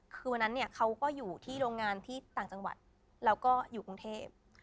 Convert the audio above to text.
คือวันนั้นเนี่ยเขาก็อยู่ที่โรงงานที่ต่างจังหวัดแล้วก็อยู่กรุงเทพ